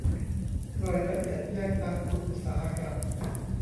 รายละเอียดแยกตามกลุ่มอุตสาหกรรม